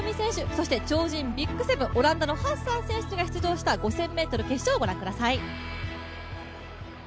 そして、超人ＢＩＧ７、オランダのハッサン選手が出場した５０００ｍ決勝をご覧ください。